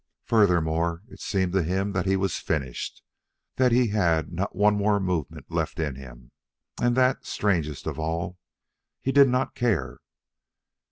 Furthermore, it seemed to him that he was finished, that he had not one more movement left in him, and that, strangest of all, he did not care.